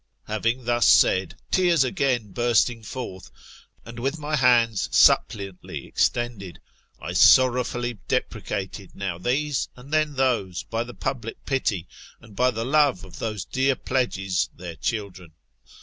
Having thus said, tears again bursting forth, and with my hands suppliantly extended, I sorrowfully deprecated now these and then thoise by the public pity, and by the love of those dear pledges, their children.